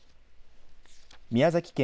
宮崎県